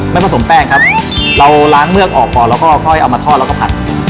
ผสมแป้งครับเราล้างเมือกออกก่อนแล้วก็ค่อยเอามาทอดแล้วก็ผัด